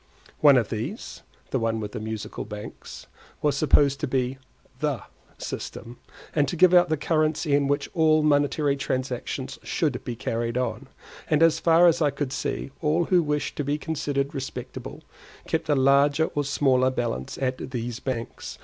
One of these (the one with the Musical Banks) was supposed to be the system, and to give out the currency in which all monetary transactions should be carried on; and as far as I could see, all who wished to be considered respectable, kept a larger or smaller balance at these banks.